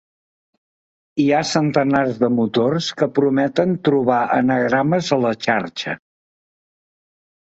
Hi ha centenars de motors que prometen trobar anagrames a la xarxa.